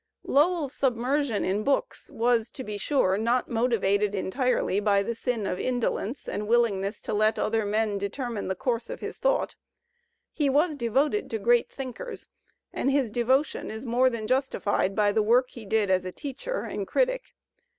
Lowell's submersion in books was, to be sure, not motived entirely by the sin of indolence and willingness to let other men determine the course of his thought; he was devoted to great thinkers, and his devotion is more than justified by the work he did as a teacher and critic.